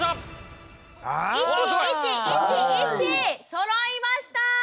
そろいました！